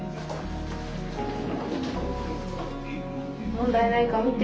問題ないか見て。